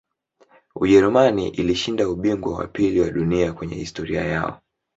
ujerumani ilishinda ubingwa wa pili wa dunia kwenye historia yao